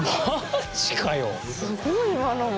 すごい今のも。